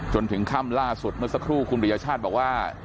จนถึงค่ำล่าสุดเมื่อสักครู่คุณปริญญาชาติบอกว่า